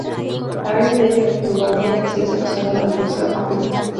A raíz de ello, Duhamel se hizo aficionado al buceo a pulmón.